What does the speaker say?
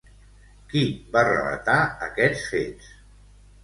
Qui va relatar aquests fets?